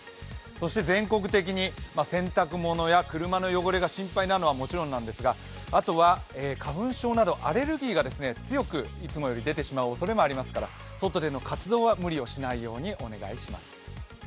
そして全国的に洗濯物や車の汚れが心配なのはもちろんなんですが、あとは花粉症などアレルギーが強くいつもより出てしまうおそれがありますから外での活動は無理をしないようにお願いします。